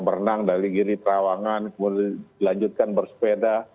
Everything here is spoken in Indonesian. berenang dari kiri perawangan kemudian dilanjutkan bersepeda